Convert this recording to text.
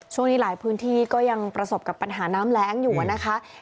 ช่วงนี้หลายพื้นที่ก็ยังประสบกับปัญหาน้ำแรงอยู่นะคะ